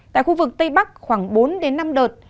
tại khu vực tây bắc khoảng bốn đến năm đợt